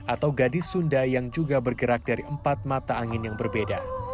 atau gadis sunda yang juga bergerak dari empat mata angin yang berbeda